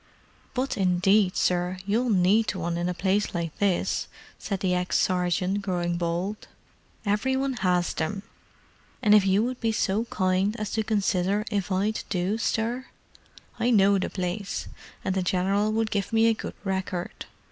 "But indeed, sir, you'll need one, in a place like this," said the ex sergeant, growing bold. "Every one 'as them—and if you would be so kind as to consider if I'd do, sir? I know the place, and the General 'ud give me a good record.